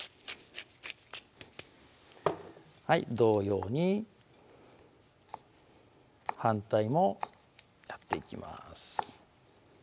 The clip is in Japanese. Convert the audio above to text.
同様に反対もやっていきます